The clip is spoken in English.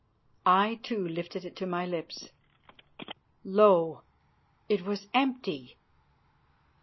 I, too, lifted it to my lips. Lo! it was empty.